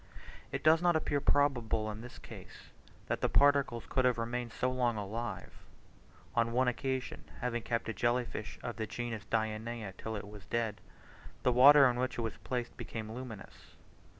It does not appear probable in this case, that the particles could have remained so long alive. On one occasion having kept a jelly fish of the genus Dianaea till it was dead, the water in which it was placed became luminous.